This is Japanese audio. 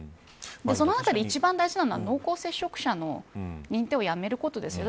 そのあたり一番大事なのは濃厚接触者の認定をやめることですよね。